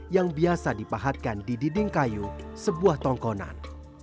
yang biasa dipahatkan di dinding kayu sebuah tongkonan